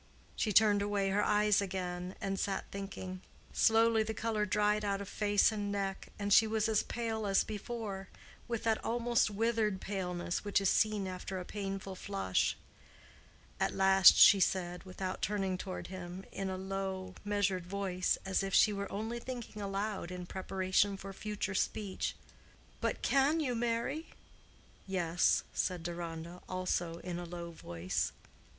She turned away her eyes again, and sat thinking. Slowly the color dried out of face and neck, and she was as pale as before—with that almost withered paleness which is seen after a painful flush. At last she said—without turning toward him—in a low, measured voice, as if she were only thinking aloud in preparation for future speech, "But can you marry?" "Yes," said Deronda, also in a low voice.